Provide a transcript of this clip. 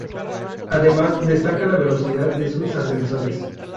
Además, destaca la velocidad de sus ascensores.